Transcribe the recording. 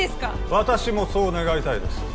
私もそう願いたいです